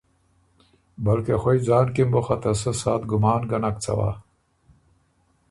بلکې خوئ ځان کی م بُو خه ته سۀ ساعت ګمان ګه نک څوا۔